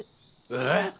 えっ！